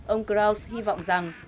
ông krauss hy vọng rằng